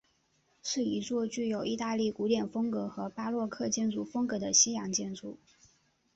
是一座具有意大利古典风格和巴洛克建筑风格的西洋建筑。